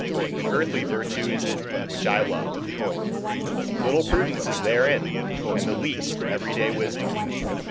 An earthly virtue is it which I love: little prudence is therein, and the least everyday wisdom.